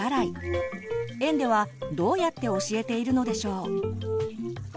園ではどうやって教えているのでしょう？